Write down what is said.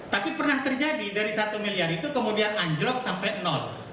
tapi pernah terjadi dari satu miliar itu kemudian anjlok sampai nol